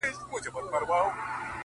خوږ دی مرگی چا ويل د ژوند ورور نه دی؛